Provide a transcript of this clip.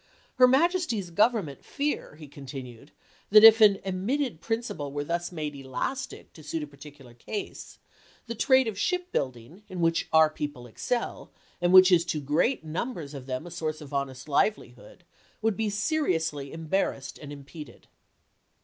Her Majesty's Government fear," he continued, " that if an admitted principle were thus made elastic to suit a particular case, the trade of ship building, in which our people excel, and which RuS to is to great numbers of them a source of honest liveli oct. 26, 1863.' hood, would be seriously embarrassed and impeded."